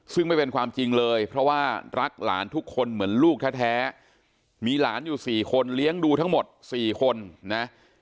ซึ่งไม่เป็นความจริงเลยเพราะว่ารักหลานทุกคนเหมือนลูกแท้มีหลานอยู่๔คนเลี้ยงดูทั้งหมด๔คนนะ